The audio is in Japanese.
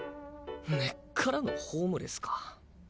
根っからのホームレスか。